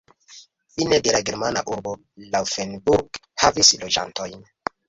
Fine de la germana urbo Laufenburg havis loĝantojn.